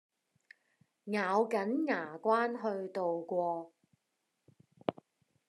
咬緊牙關去渡過